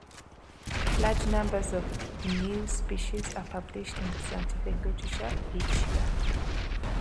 Large numbers of new species are published in the scientific literature each year.